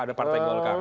ada partai golkar